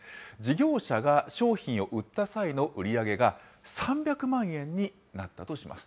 事業者が商品を売った際の売り上げが３００万円になったとします。